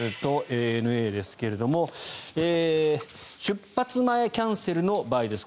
ＪＡＬとＡＮＡですが出発前キャンセルの場合です。